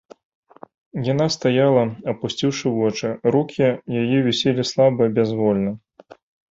Яна стаяла, апусціўшы вочы, рукі яе віселі слаба і бязвольна.